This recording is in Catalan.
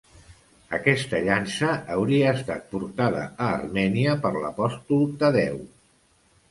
Aquesta llança hauria estat portada a Armènia per l'apòstol Tadeu.